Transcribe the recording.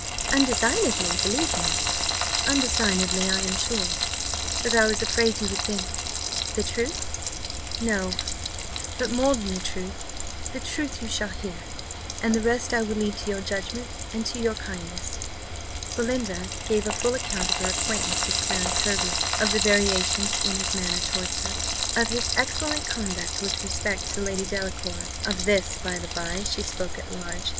"Undesignedly, believe me." "Undesignedly, I am sure; but I was afraid you would think " "The truth." "No; but more than the truth. The truth you shall hear; and the rest I will leave to your judgment and to your kindness." Belinda gave a full account of her acquaintance with Clarence Hervey; of the variations in his manner towards her; of his excellent conduct with respect to Lady Delacour (of this, by the by, she spoke at large).